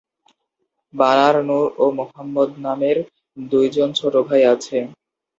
বানার নূর এবং মোহাম্মদ নামের দুইজন ছোট ভাই আছে।